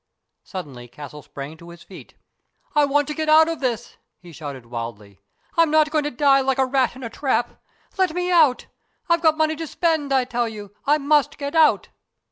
Suddenly Castle sprang to his feet. " I want to get out of this," he shouted wildly. " I'm not going to die like a rat in a trap. Let me out. I've got money to spend, I tell you. I must get out."